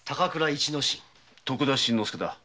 徳田新之助だ。